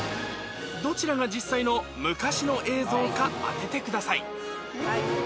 どちらが実際の昔の映像か当ててください